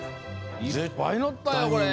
いっぱいのったよこれ！